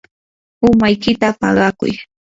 umaykita paqakuy.